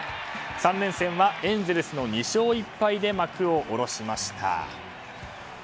３連戦はエンゼルスの２勝１敗で幕を下ろしました。